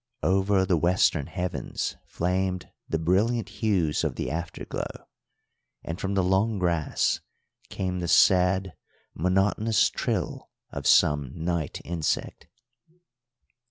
Over the western heavens flamed the brilliant hues of the afterglow, and from the long grass came the sad, monotonous trill of some night insect.